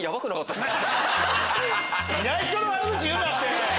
いない人の悪口言うなって！